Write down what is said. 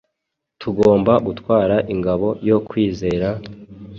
Tugomba gutwara ingabo yo kwizera,